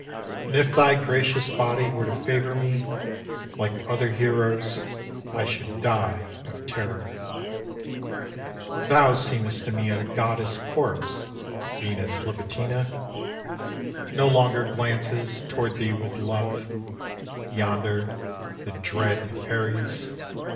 And if thy gracious body were to favor me Like other heroes, I should die of terror. Thou seemest to me a goddess corpse, Venus Libitina! No longer glances toward thee with love, Yonder the dread Ares!